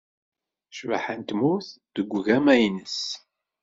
Cbaḥa n tmurt deg ugama-ines